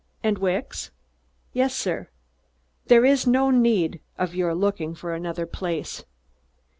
"And, Wicks " "Yes, sir." "There is no need of your looking for another place."